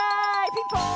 ピンポーン！